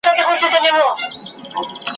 چي د عقل په میدان کي پهلوان وو `